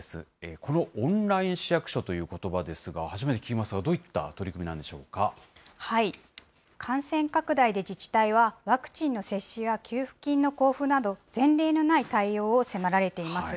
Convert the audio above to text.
このオンライン市役所ということばですが、初めて聞きますが、ど感染拡大で自治体は、ワクチンの接種や給付金の交付など前例のない対応を迫られています。